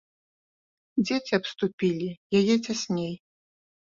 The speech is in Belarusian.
Дзеці абступілі яе цясней.